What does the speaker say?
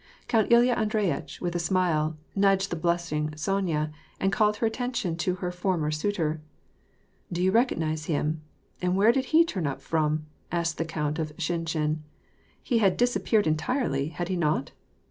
Count Uya Andreyitch, with a smile, nudged the blushing Sonya, and called her attention to her former suitor. " Did you recognize him ? and where did he turn up from ?" asked the count of Shinshin. " He had disappeared entirely, had he not